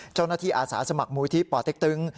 เจ้าหน้าที่อาสาสมัครมูลที่ปเต๊กตึง